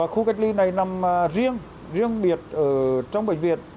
khu cách ly này nằm riêng riêng biệt ở trong bệnh viện